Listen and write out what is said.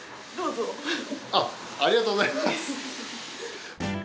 ありがとうございます。